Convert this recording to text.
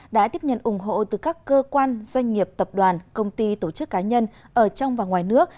đã tiếp nhận ủng hộ từ các cơ quan doanh nghiệp tập đoàn công ty tổ chức cá nhân ở trong và ngoài nước